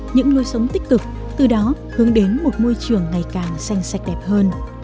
những nuôi sống tích cực từ đó hướng đến một môi trường ngày càng xanh sạch đẹp hơn